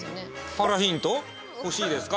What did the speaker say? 原ヒント、欲しいですか？